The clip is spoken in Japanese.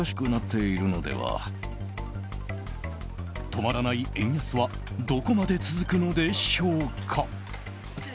止まらない円安はどこまで続くのでしょうか。